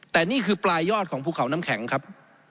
แต่นี่คือปลายยอดของภูเขาน้ำแข็งครับ